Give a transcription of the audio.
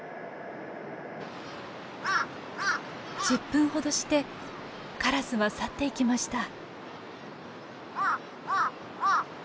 １０分ほどしてカラスは去っていきました。